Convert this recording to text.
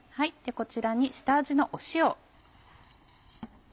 こちらに下味の塩。